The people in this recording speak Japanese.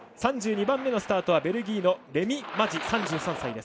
３２番目のスタートはベルギーのレミ・マジ、３３歳。